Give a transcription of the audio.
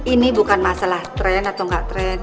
ini bukan masalah tren atau gak tren